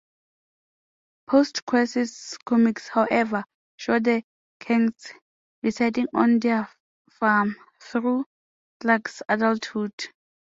Post-Crisis comics, however, show the Kents residing on their farm through Clark's adulthood.